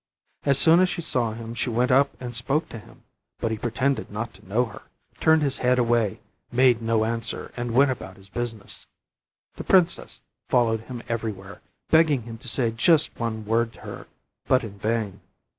As soon as she saw him she went up and spoke to him, but he pretended not to know her, turned his head away, made no answer, and went about his business. The princess followed him everywhere, begging him to say just one word to her, but in vain.